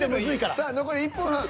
さあ残り１分半。